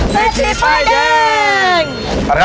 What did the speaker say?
เศรษฐีไฟแดง